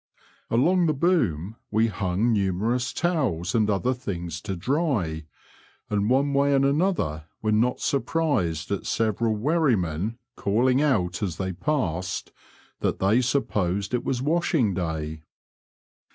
Along the boom we liung numerous towels and other things to dry, and one way and another were not surprised at several wherrymen calling out as they passed ^* that they supposed it was washing day."